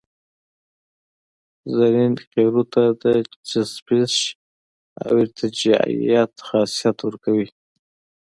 رزین قیرو ته د چسپش او ارتجاعیت خاصیت ورکوي